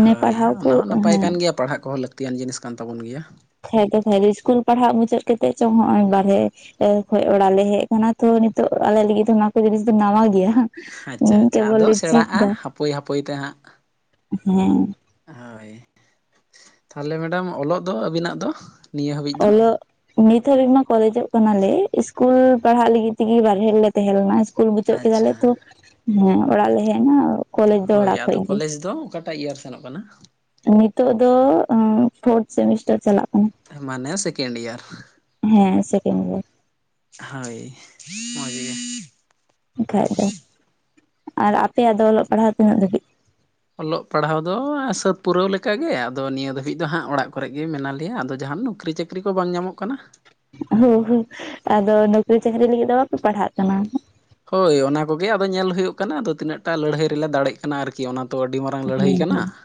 ᱦᱳᱭ ᱚᱱᱟ ᱦᱚᱸ ᱱᱟᱯᱟᱭ ᱠᱟᱱ ᱜᱮᱭᱟ ᱯᱟᱲᱦᱟᱜ ᱠᱚᱦᱚᱸ ᱞᱟᱹᱠᱛᱤᱭᱟᱱ ᱡᱤᱱᱤᱥ ᱠᱟᱱ ᱛᱟᱵᱚᱱ ᱜᱮᱭᱟ ᱾ [unintelligible] ᱤᱥᱠᱩᱞ ᱯᱟᱲᱦᱟᱜ ᱢᱩᱪᱟᱹᱫ ᱠᱟᱛᱮᱜ ᱪᱚᱝ ᱦᱚᱸᱜᱼᱚᱭ ᱵᱟᱨᱦᱮ [unintelligible] ᱠᱷᱚᱡ ᱚᱲᱟᱜ ᱞᱮ ᱦᱮᱡ ᱟᱠᱟᱱᱟ ᱛᱚ ᱱᱤᱛᱚᱜ ᱟᱞᱮ ᱞᱟᱹᱜᱤᱫ ᱫᱚ ᱱᱚᱣᱟ ᱠᱚ ᱡᱤᱱᱤᱥ ᱫᱚ ᱱᱟᱣᱟ ᱜᱮᱭᱟ ᱾ ᱟᱪᱪᱷᱟ ᱟᱪᱪᱷᱟ, ᱟᱫᱚ ᱥᱮᱲᱟᱜᱼᱟ ᱦᱟᱯᱳᱹᱭ ᱦᱟᱯᱳᱹᱭ ᱛᱮ ᱦᱟᱸᱜ ᱾ ᱦᱮᱸ ᱾ ᱦᱳᱭ, ᱛᱟᱦᱚᱞᱮ ᱢᱮᱰᱟᱢ ᱚᱞᱚᱜ ᱫᱚ ᱟᱹᱵᱤᱱᱟᱜ ᱫᱚ? ᱱᱤᱭᱟᱹ ᱦᱟᱹᱵᱤᱡ ᱫᱚ ᱚᱞᱚᱜ, ᱱᱤᱛ ᱦᱟᱹᱵᱤᱡ ᱢᱟ ᱠᱚᱞᱮᱡᱚᱜ ᱠᱟᱱᱟᱞᱮ ᱤᱥᱠᱩᱞ ᱯᱟᱲᱦᱟᱜ ᱞᱟᱹᱜᱤᱫ ᱛᱮᱜᱮ ᱵᱟᱨᱦᱮ ᱨᱮᱞᱮ ᱛᱟᱦᱮᱸ ᱞᱮᱱᱟ ᱤᱥᱠᱩᱞ ᱵᱩᱪᱟᱹᱜ ᱠᱮᱫᱟ ᱟᱪᱪᱷᱟ ᱞᱮ ᱛᱚᱸ ᱦᱮᱸ ᱚᱲᱟᱜ ᱞᱮ ᱦᱮᱡ ᱱᱟ ᱾ ᱦᱳᱭ ᱟᱫᱚ ᱠᱚᱞᱮᱡᱽ ᱫᱚ ᱚᱠᱟᱴᱟᱜ ᱤᱭᱟᱨ ᱥᱮᱱᱚᱜ ᱠᱟᱱᱟ? ᱱᱤᱛᱚᱜ ᱫᱚ ᱮᱸ ᱯᱷᱳᱨᱛ ᱥᱮᱢᱤᱥᱴᱟᱨ ᱪᱟᱞᱟᱜ ᱠᱟᱱᱟ ᱢᱟᱱᱮ ᱥᱮᱠᱮᱱᱰ ᱮᱭᱟᱨ ᱾ ᱦᱮᱸ ᱥᱮᱠᱮᱱᱰ ᱤᱭᱟᱨ ᱦᱳᱭ ᱢᱚᱡᱽ ᱜᱮ ᱾ ᱮᱱᱠᱷᱟᱡ ᱫᱚ ᱟᱨ ᱟᱯᱮᱭᱟᱜ ᱫᱚ ᱚᱞᱚᱜ ᱯᱟᱲᱦᱟᱣ ᱛᱤᱱᱟᱹᱜ ᱫᱷᱟᱹᱵᱤᱡ? ᱚᱞᱚᱜ ᱯᱟᱲᱦᱟᱣ ᱫᱚ ᱥᱟᱹᱛ ᱯᱩᱨᱟᱹᱣ ᱞᱮᱠᱟ ᱜᱮ ᱟᱫᱚ ᱱᱤᱭᱟᱹ ᱫᱷᱟᱹᱵᱤᱡ ᱫᱚ ᱦᱟᱸᱜ ᱚᱲᱟᱜ ᱠᱚᱨᱮ ᱜᱮ ᱢᱮᱱᱟᱜ ᱞᱮᱭᱟ ᱟᱫᱚ ᱡᱟᱦᱟᱱ ᱱᱚᱠᱨᱤ ᱪᱟᱹᱠ ᱪᱟᱹᱠᱨᱤ ᱠᱚ ᱵᱟᱝ ᱧᱟᱢᱚᱜ ᱠᱟᱱᱟ ᱾ ᱦᱳ ᱦᱳ ᱟᱫᱚ ᱱᱚᱠᱨᱤ ᱪᱟᱹᱠᱨᱤ ᱞᱟᱹᱜᱤᱫ ᱫᱚ ᱵᱟᱯᱮ ᱯᱟᱲᱦᱟᱜ ᱠᱟᱱᱟ? ᱦᱳᱭ ᱚᱱᱟ ᱠᱚᱜᱮ ᱟᱫᱚ ᱧᱮᱞ ᱦᱩᱭᱩᱜ ᱠᱟᱱᱟ, ᱟᱫᱚ ᱛᱤᱱᱟᱹᱜ ᱴᱟ ᱞᱟᱹᱲᱦᱟᱹᱭ ᱨᱮᱞᱮ ᱫᱟᱲᱮᱜ ᱠᱟᱱᱟ ᱟᱹᱨᱠᱤ ᱚᱱᱟ ᱛᱚ ᱟᱹᱰᱤ ᱢᱟᱨᱟᱝ ᱞᱟᱹᱲᱦᱟᱹᱭ ᱦᱮᱸ ᱠᱟᱱᱟ ᱦᱮᱸ ᱾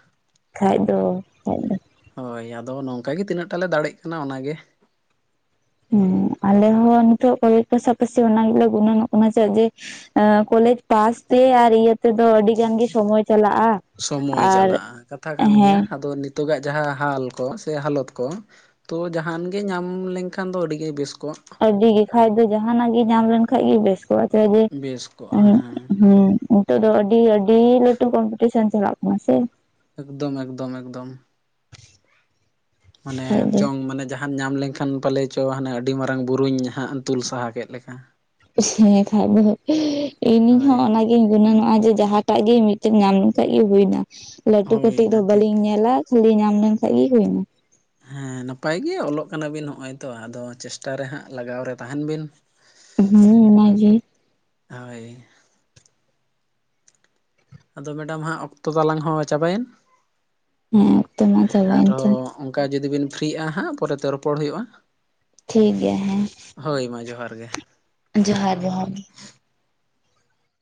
ᱠᱷᱟᱡ ᱫᱚ ᱠᱷᱟᱱ ᱫᱚ ᱦᱳᱭ ᱟᱫᱚ ᱱᱚᱝᱠᱟ ᱜᱮ ᱛᱤᱱᱟᱹᱜ ᱴᱟᱜ ᱞᱮ ᱫᱟᱲᱮᱜ ᱠᱟᱱᱟ ᱚᱱᱟᱜᱮ ᱾ ᱦᱩᱸ ᱟᱞᱮ ᱦᱚᱸ ᱱᱤᱛᱚᱜ ᱠᱚᱞᱮᱡᱽ ᱠᱚ ᱥᱟᱯᱟᱥᱤ ᱚᱱᱟ ᱜᱮᱞᱮ ᱜᱩᱱᱟᱹᱱᱚᱜ ᱠᱟᱱᱟ ᱪᱟᱜ ᱡᱟᱛᱮᱹ ᱠᱚᱞᱮᱡᱽ ᱯᱟᱥ ᱛᱮ ᱟᱨ ᱤᱭᱟᱹ ᱛᱮᱫᱚ ᱟᱹᱰᱤ ᱜᱟᱱ ᱜᱮ ᱥᱚᱢᱚᱭ ᱪᱟᱞᱟᱜᱼᱟ᱾ ᱥᱚᱢᱚᱭ ᱟᱨ ᱦᱮᱸ, ᱛᱚᱜᱟᱜ ᱡᱟᱦᱟᱸ ᱦᱟᱞ ᱠᱚ ᱥᱮ ᱦᱟᱞᱚᱛ ᱠᱚ, ᱛᱚ ᱡᱟᱦᱟᱱ ᱜᱮ ᱧᱟᱢ ᱞᱮᱱᱠᱷᱟᱱ ᱫᱚ ᱟᱹᱰᱤᱜᱮ ᱵᱮᱥ ᱠᱚᱜ-ᱟ᱾ ᱠᱟᱰᱤ ᱜᱮ ᱠᱷᱟᱡ ᱫᱚ ᱡᱟᱦᱟᱱᱟᱜ ᱜᱮ ᱧᱟᱢ ᱞᱮᱱᱠᱷᱟᱱᱡ ᱜᱮ ᱵᱮᱥ ᱾ ᱛᱚ ᱟᱪᱪᱷᱟ ᱡᱮ ᱵᱮᱥ ᱠᱚᱜᱼᱟ ᱟᱱᱤᱡ ᱦᱮᱸ ᱦᱩᱸ ᱱᱤᱛᱚᱜ ᱫᱚ ᱟᱹᱰᱤ ᱟᱹᱰᱤ ᱞᱟᱹᱴᱩ ᱠᱚᱢᱯᱤᱴᱤᱥᱚᱱ ᱪᱟᱞᱟᱜ [unintelligible] ᱮᱠᱫᱚᱢ ᱮᱠᱫᱚᱢ ᱮᱠᱫᱚᱢ ᱾ ᱢᱟᱱᱮ ᱠᱷᱟᱡ ᱫᱚ ᱪᱚᱝ ᱢᱟᱱᱮ ᱡᱟ ᱦᱟᱱ ᱧᱟᱢ ᱞᱮᱱᱠᱷᱟᱱ ᱯᱟᱞᱮ ᱪᱚ ᱦᱟᱱᱮ ᱟᱹᱰᱤ ᱢᱟᱨᱟᱝ ᱵᱩᱨᱩᱧ ᱦᱟᱸᱜ ᱛᱩᱞ ᱥᱟᱦᱟ ᱠᱮᱫ ᱞᱮᱠᱟ ᱾ ᱥᱮ ᱠᱷᱟᱡ [unintelligible] ᱤᱧᱤᱧ ᱦᱚᱸ ᱦᱳᱭ ᱚᱱᱮ ᱜᱮ ᱤᱧ ᱜᱩᱱᱟᱹᱱᱚᱜᱼᱟ ᱡᱮ ᱡᱟᱦᱟᱸᱴᱟᱜ ᱜᱮ ᱢᱤᱫᱴᱮᱱ ᱧᱟᱢ ᱞᱮᱠᱷᱟᱡ ᱜᱮ ᱦᱩᱭᱱᱟ ᱞᱟᱹᱴᱩ ᱠᱟᱹᱴᱤᱡ ᱫᱚ ᱦᱳᱭᱱᱟ ᱴᱷᱤᱠ ᱵᱟᱹᱞᱤᱧ ᱧᱮᱞᱟ ᱾ ᱠᱷᱟᱹᱞᱤ ᱧᱟᱢ ᱞᱮᱱᱠᱷᱟᱱ ᱜᱮ ᱦᱩᱭᱱᱟ ᱾ ᱦᱮᱸ ᱱᱟᱯᱟᱭ ᱜᱮ ᱚᱞᱚᱜ ᱠᱟᱱᱟ ᱵᱤᱱ ᱱᱚᱜᱼᱚᱭ ᱛᱚ ᱟᱫᱚ ᱪᱮᱥᱴᱟ ᱨᱮ ᱦᱟᱸᱜ ᱞᱟᱜᱟᱣ ᱨᱮ ᱛᱟᱦᱮᱱ ᱵᱤᱱ ᱾ ᱦᱩᱸ ᱚᱱᱟᱜᱮ ᱾ ᱦᱳᱭ ᱾ ᱟᱫᱚ ᱢᱮᱰᱟᱢ ᱦᱟᱸᱜ ᱚᱠᱛᱚ ᱛᱟᱞᱟᱝ ᱦᱚᱸ ᱪᱟᱵᱟᱭᱮᱱ ᱾ ᱦᱮᱸ ᱚᱠᱛᱚ ᱢᱟ ᱪᱟᱵᱟᱭ ᱮᱱ ᱪᱚᱝ ᱾ ᱟᱨᱦᱚᱸ ᱚᱱᱠᱟ ᱡᱩᱫᱤ ᱵᱤᱱ ᱯᱷᱨᱤᱜᱼᱟ ᱦᱟᱸᱜ ᱯᱚᱨᱮᱛᱮ ᱨᱚᱯᱚᱲ ᱦᱩᱭᱩᱜᱼᱟ ᱾ ᱴᱷᱤᱠ ᱜᱮᱭᱟ ᱦᱮᱸ ᱾ ᱦᱳᱭ ᱢᱟ ᱡᱚᱦᱟᱨ ᱜᱮ ᱾ ᱡᱚᱦᱟᱨ ᱡᱚᱦᱟᱨ ᱾